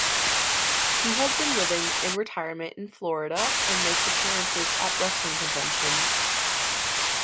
He has been living in retirement in Florida and makes appearances at wrestling conventions.